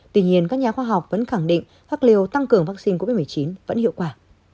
tuy nhiên các nhà khoa học vẫn khẳng định hắc liều tăng cường vaccine covid một mươi chín vẫn hiệu quả